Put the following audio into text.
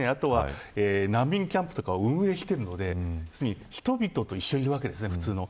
あとは難民キャンプとかを運営しているので要するに人々と一緒にいるわけですね。